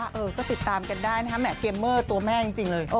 เออก็ติดตามกันได้นะฮะแหม่เกมเมอร์ตัวแม่จริงเลย